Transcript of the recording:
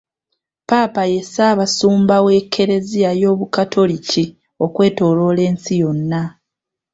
Ppaapa ye ssaabasumba w'ekereziya y'obukatoliki okwetooloola ensi yonna.